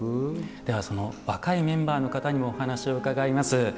ではその若いメンバーの方にもお話を伺います。